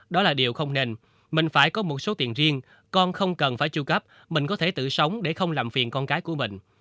đó là điều không nên mình phải có một số tiền riêng con không cần phải tru cấp mình có thể tự sống để không làm phiền con cái của mình